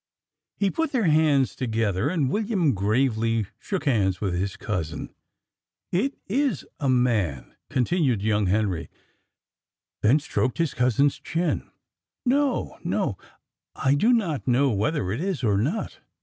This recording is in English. He put their hands together, and William gravely shook hands with his cousin. "It is a man," continued young Henry; then stroked his cousin's chin. "No, no, I do not know whether it is or not."